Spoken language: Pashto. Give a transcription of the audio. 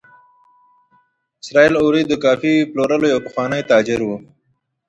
اسراییل اوري د کافي پلورلو یو پخوانی تاجر و.